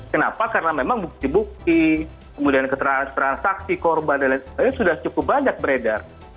kenapa karena memang bukti bukti kemudian keterangan transaksi korban dan lain sebagainya sudah cukup banyak beredar